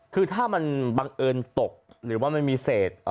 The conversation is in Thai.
คือถ้ามันบังเอิญตกหรือว่ามันมีเศษ